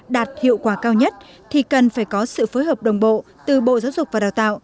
đạt hiệu quả cao nhất thì cần phải có sự phối hợp đồng bộ từ bộ giáo dục và đào tạo